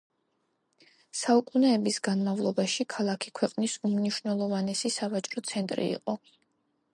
საუკუნეების განმავლობაში ქალაქი ქვეყნის უმნიშვნელოვანესი სავაჭრო ცენტრი იყო.